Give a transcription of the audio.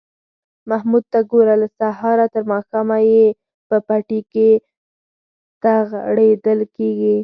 محمود ته گوره! له سهاره تر ماښامه یې په پټي کې تغړېدل کړي